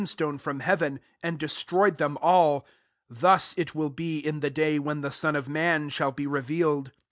stone from heaven, and destroy ed them alt : 30 thus it will be, in the day when the Son of man shall be revealed.